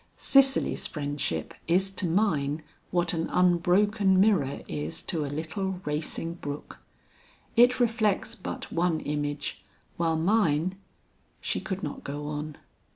Cicely's friendship is to mine what an unbroken mirror is to a little racing brook. It reflects but one image, while mine " She could not go on.